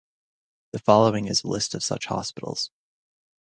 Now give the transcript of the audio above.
The following is a list of such hospitals.